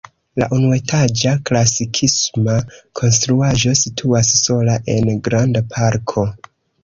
La unuetaĝa klasikisma konstruaĵo situas sola en granda parko.